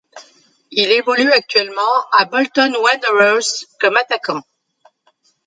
Il évolue actuellement à Bolton Wanderers comme attaquant.